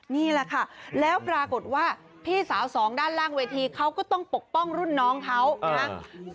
นี่แหละค่ะแล้วปรากฏว่าพี่สาวสองด้านล่างเวทีเขาก็ต้องปกป้องรุ่นน้องเขานะครับ